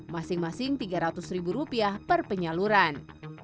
masing masing rp tiga ratus per penyaluran